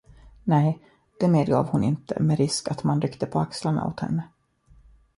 Nej, det medgav hon inte med risk att man ryckte på axlarna åt henne.